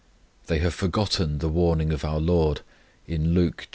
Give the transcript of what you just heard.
They have forgotten the warning of our LORD in Luke xxi.